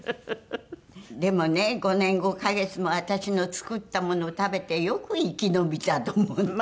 でもね５年５カ月も私の作ったものを食べてよく生き延びたと思って。